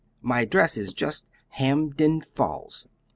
My address is just 'Hampden Falls.'